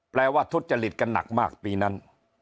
ว่าทุจจริตกันหนักมากปีนั้น